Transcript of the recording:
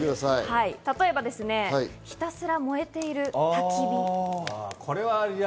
例えばひたすら燃えているたき火。